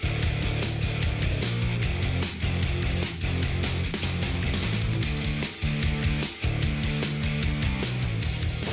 อันที่สอง